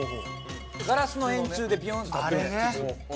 ガラスの円柱でビヨーンって立ってるんです筒。